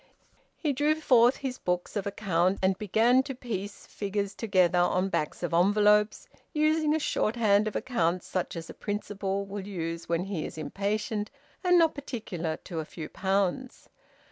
He drew forth his books of account, and began to piece figures together on backs of envelopes, using a shorthand of accounts such as a principal will use when he is impatient and not particular to a few pounds.